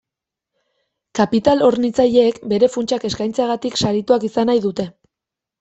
Kapital-hornitzaileek, bere funtsak eskaintzeagatik sarituak izan nahi dute.